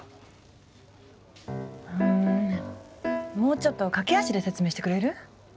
うんもうちょっと駆け足で説明してくれる？